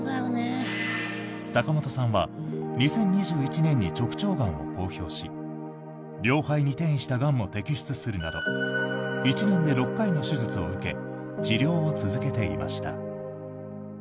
坂本さんは２０２１年に直腸がんを公表し両肺に転移したがんも摘出するなど１年で６回の手術を受け治療を続けていました。